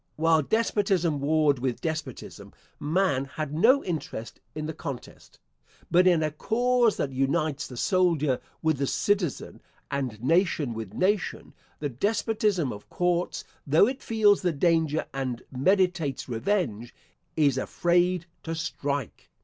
While despotism warred with despotism, man had no interest in the contest; but in a cause that unites the soldier with the citizen, and nation with nation, the despotism of courts, though it feels the danger and meditates revenge, is afraid to strike.